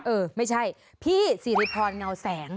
เออไม่ใช่พี่สิริพรเงาแสง